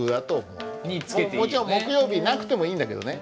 もちろん「木曜日」なくてもいいんだけどね。